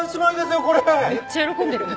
めっちゃ喜んでる。